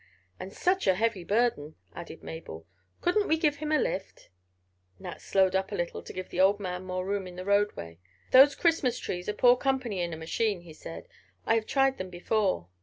"And such a heavy burden," added Mabel. "Couldn't we give him a lift?" Nat slowed up a little to give the old man more room in the roadway. "Those Christmas trees are poor company in a machine," he said. "I have tried them before."